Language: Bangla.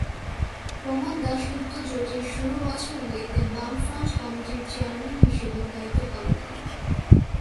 প্রমোদ দাশগুপ্ত জোটের শুরুর বছরগুলিতে বামফ্রন্ট কমিটির চেয়ারম্যান হিসাবে দায়িত্ব পালন করেন।